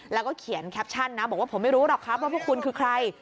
แล้วก็เขียนแคปชั่นนะบอกว่าผมไม่รู้หรอกครับว่าพวกคุณคือใคร